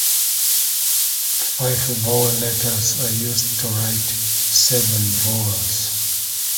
Five vowel letters are used to write seven vowels.